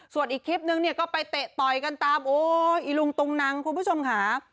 ส่วนอีกคลิปนึงเนี่ยก็ไปเตะต่อยกันตามโอ้อีลุงตุงนังคุณผู้ชมค่ะ